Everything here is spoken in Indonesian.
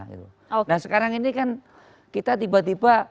nah sekarang ini kan kita tiba tiba